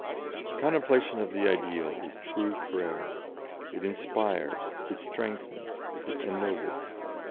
The contemplation of the ideal is true prayer; it inspires, it strengthens, it ennobles.